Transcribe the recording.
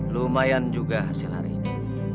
lumayan juga hasil hari ini